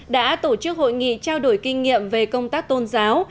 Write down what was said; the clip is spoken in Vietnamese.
đã tổ chức hội nghị trao đổi kinh nghiệm về công tác tôn giáo